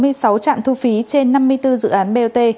tại sáu mươi sáu trạm thu phí trên năm mươi bốn dự án bot